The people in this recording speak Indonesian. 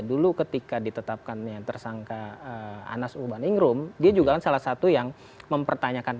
dulu ketika ditetapkan tersangka anas uban ingrum dia juga salah satu yang mempertanyakan kpk